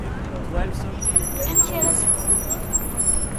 Amek ara as-ɣrent?